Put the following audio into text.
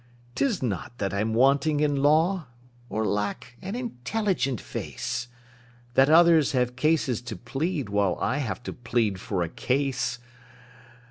"'Tis not that I'm wanting in law, Or lack an intelligent face, That others have cases to plead, While I have to plead for a case.